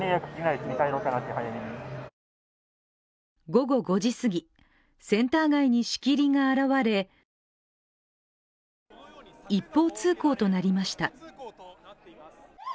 午後５時すぎ、センター街に仕切りが現れ一方通行となりました。